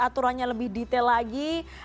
aturannya lebih detail lagi